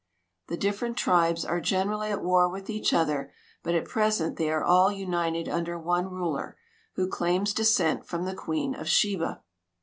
The different tribes are generally at war with each other, but at present they are all united under one ruler, who claims descent from the Queen of Sheba.